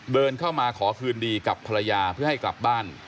เดินเข้ามาขอคืนดีกับภรรยาเพื่อให้กลับบ้าน